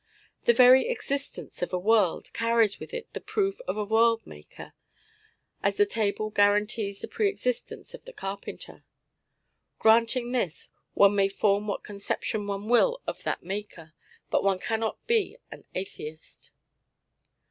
The very existence of a world carries with it the proof of a world maker, as the table guarantees the pre existence of the carpenter. Granting this, one may form what conception one will of that Maker, but one cannot be an atheist.